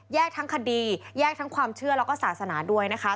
ทั้งคดีแยกทั้งความเชื่อแล้วก็ศาสนาด้วยนะคะ